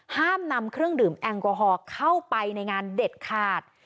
ห้ามนำเครื่องดื่มแอลกอฮอล์เข้าไปในงานเด็ดขาด